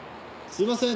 すみません